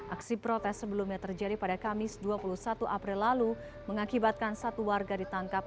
aksi protes sebelumnya terjadi pada kamis dua puluh satu april lalu mengakibatkan satu warga ditangkap